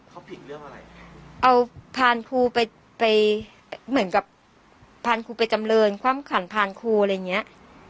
เขาผิดเรื่องอะไรเอาพานครูไปไปเหมือนกับพานครูไปจำเรินความขันพานครูอะไรอย่างเงี้ย